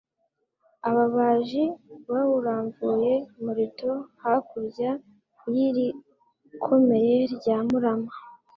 Ababaji bawuramvuye Mulito hakurya y,irikomeye rya murama